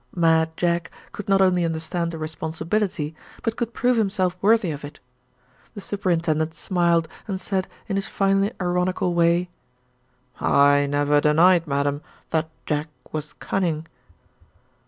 Mad Jack could not only understand a responsibility, but could prove himself worthy of it. The superintendent smiled, and said, in his finely ironical way, "I never denied, madam, that Jack was cunning."